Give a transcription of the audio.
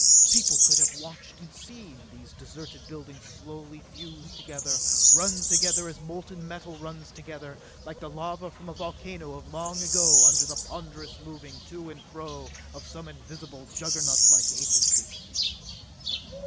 People could have watched and seen these deserted buildings slowly fuse together, run together as molten metal runs together, like the lava from a volcano of long ago under the ponderous moving to and fro of some invisible, juggernautlike agency.